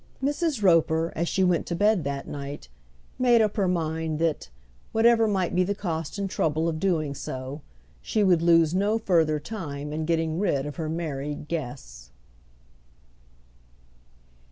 Mrs. Roper, as she went to bed that night, made up her mind that, whatever might be the cost and trouble of doing so, she would lose no further time in getting rid of her married guests.